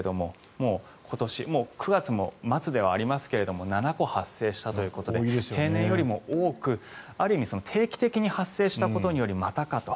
もう今年９月も末ではありますが７個発生したということで平年よりも多くある意味定期的に発生したことによりまたかと。